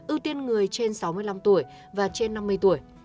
ưu tiên người trên sáu mươi năm tuổi và trên năm mươi tuổi